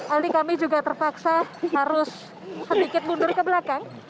aldi kami juga terpaksa harus sedikit mundur ke belakang